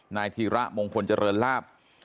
นายธีระมงคลเจริญลาบ